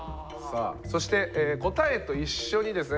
そして答えと一緒にですね